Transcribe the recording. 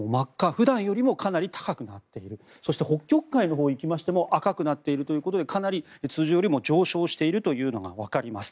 普段よりもかなり高くなっているそして北極海のほうに行きましても赤くなっているということでかなり、通常よりも上昇しているというのがわかります。